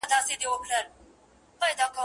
سل غلامه په خدمت کي سل مینځیاني